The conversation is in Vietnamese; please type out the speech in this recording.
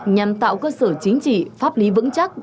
nhằm tạo cơ sở chính trị pháp lý vững chắc